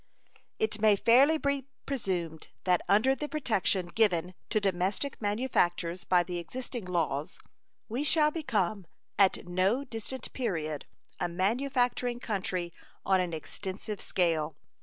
It may fairly be presumed that under the protection given to domestic manufactures by the existing laws we shall become at no distant period a manufacturing country on an extensive scale.